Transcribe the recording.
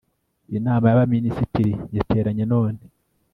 inama y'abaminisitiri yateranye none